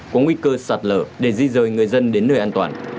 có nguy cơ sạt lở để di rời người dân đến nơi an toàn